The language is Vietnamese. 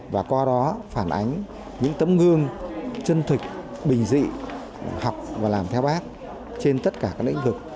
và qua đó phản ánh những tấm gương chân thực bình dị học và làm theo bác trên tất cả các lĩnh vực